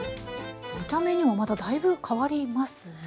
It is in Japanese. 見た目にはまただいぶ変わりますね。